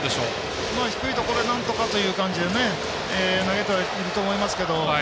低いところへなんとかという感じで投げてはいると思いますけども。